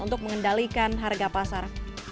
untuk mengendalikan harga pasar